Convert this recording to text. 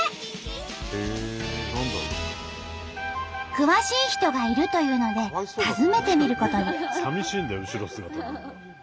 詳しい人がいるというので訪ねてみることに。